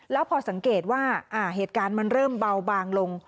แล้วพอสังเกตว่าเหตุการณ์มันเริ่มเบาบางลง